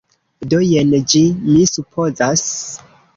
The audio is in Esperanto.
Do, jen ĝi. Mi supozas.